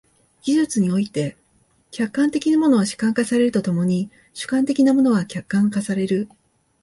技術において、客観的なものは主観化されると共に主観的なものは客観化される。